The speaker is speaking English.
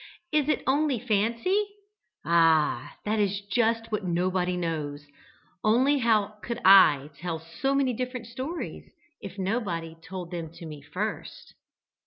Is it only Fancy? Ah! that is just what nobody knows. Only how could I tell so many different stories if nobody told them to me first?